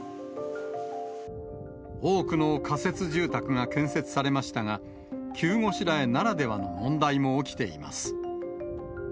多くの仮設住宅が建設されましたが、急ごしらえならではの問題も起きています。